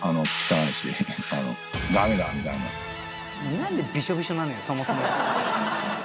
何でビショビショなのよそもそも。